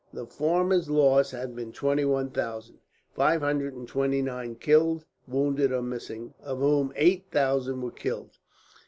The former's loss had been twenty one thousand, five hundred and twenty nine killed, wounded, or missing; of whom eight thousand were killed.